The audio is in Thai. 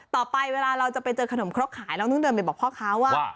ต่อไปเวลาเราจะไปเจอขนมครกขายเราต้องเดินไปบอกพ่อค้าว่า